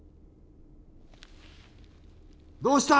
どうした！？